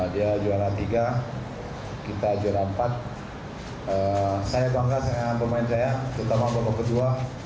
dia juara tiga kita juara empat saya bangga dengan pemain saya terutama babak kedua